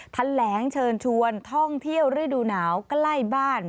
แถลงเชิญชวนท่องเที่ยวฤดูหนาวใกล้บ้าน